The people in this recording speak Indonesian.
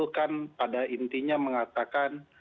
kan pada intinya mengatakan